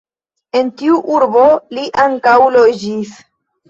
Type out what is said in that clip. En tiu urbo li ankaŭ loĝis.